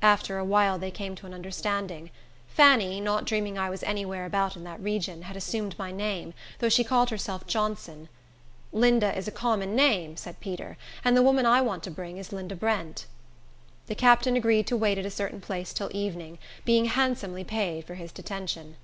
After a while they came to an understanding. Fanny, not dreaming I was any where about in that region, had assumed my name, though she called herself Johnson. "Linda is a common name," said Peter, "and the woman I want to bring is Linda Brent." The captain agreed to wait at a certain place till evening, being handsomely paid for his detention.